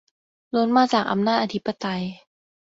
ล้วนมาจากอำนาจอธิปไตย